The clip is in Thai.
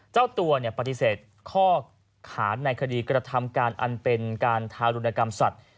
เจ้าตัวปฏิเสธข้อขานในคดีกระทำการอันเป็นการทารุณกรรมสัตว์